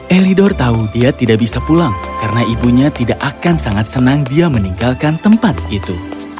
elidor tahu dia tidak bisa pulang karena ibunya tidak akan sangat senang dia meninggalkan tempat itu